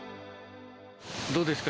どうですか？